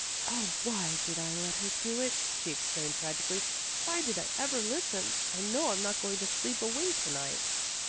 "Oh, why did I let her do it?" she exclaimed tragically. "Why did I ever listen? I know I'm not going to sleep a wink to night."